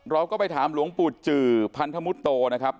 เราก็ไปถามหลวงปู่จือพันธมุตโตนะครับ